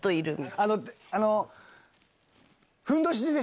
あのあの。